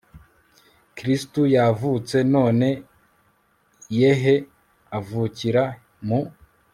kristu yavutse none yehe, avukira mu